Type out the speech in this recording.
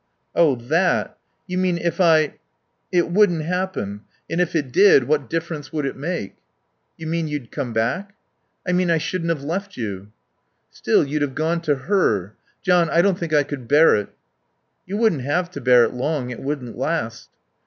"Oh that You mean if I It wouldn't happen, and if it did, what difference would it make?" "You mean you'd come back?" "I mean I shouldn't have left you." "Still, you'd have gone to her. John, I don't think I could bear it." "You wouldn't have to bear it long. It wouldn't last."